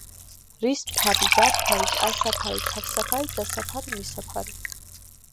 რის ფარი, რა ფარი, ტანსაფარი, თავსაფარი, დასაფარი, მისაფარი .